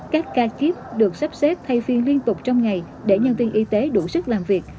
các ca kíp được sắp xếp thay phiên liên tục trong ngày để nhân viên y tế đủ sức làm việc